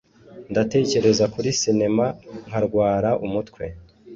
Ndatekereza kuri sinema, nkarwara umutwe